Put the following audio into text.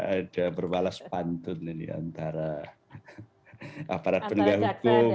ada berbalas pantun ini antara aparat penegak hukum